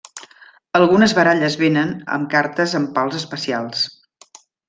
Algunes baralles vénen amb cartes amb pals especials.